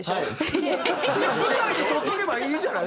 舞台にとっておけばいいじゃない。